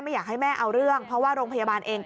ไม่อยากให้แม่เอาเรื่อง